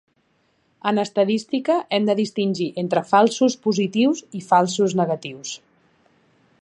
En estadística hem de distingir entre falsos positius i falsos negatius.